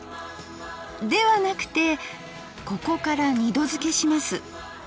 ではなくてここから二度漬けします。